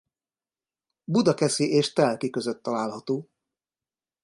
Budakeszi és Telki között található.